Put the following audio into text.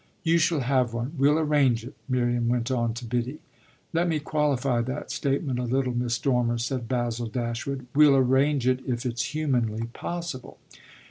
"You shall have one: we'll arrange it," Miriam went on to Biddy. "Let me qualify that statement a little, Miss Dormer," said Basil Dashwood. "We'll arrange it if it's humanly possible."